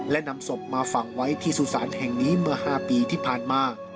และนำศพมาฝังไว้ที่สุสานแห่งนี้เมื่อ๕ปีที่ผ่านมา